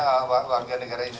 bahwa warga negara indonesia